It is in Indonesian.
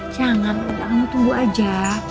jangan kamu tunggu aja